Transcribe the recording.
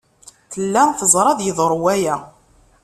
Tella teẓra ad yeḍru waya.